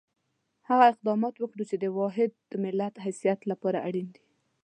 هغه اقدامات وکړو چې د واحد ملت حیثیت لپاره اړین دي.